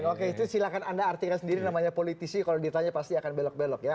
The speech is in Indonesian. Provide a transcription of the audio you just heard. oke itu silahkan anda artikan sendiri namanya politisi kalau ditanya pasti akan belok belok ya